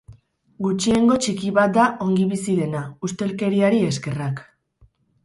Gutxiengo txiki bat da ongi bizi dena, ustelkeriari eskerrak.